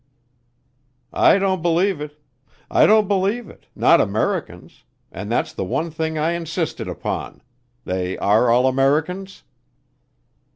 "I don't believe it. I don't believe it, not Americans. And that's one thing I insisted upon, they are all Americans?"